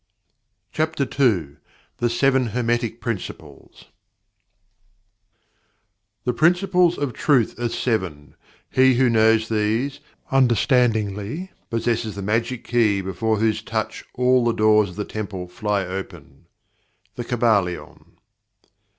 CHAPTER II THE SEVEN HERMETIC PRINCIPLES "The Principles of Truth are Seven; he who knows these, understandingly, possesses the Magic Key before whose touch all the Doors of the Temple fly open." The Kybalion.